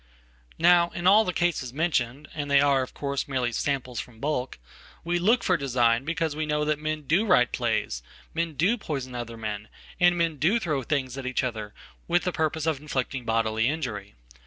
Now in all the cases mentioned, and they are, of course, merely "samples from bulk," we look for design because we know thatmen do write plays. men do poison other men, and men do throwthings at each other, with the purpose of inflicting bodily injury.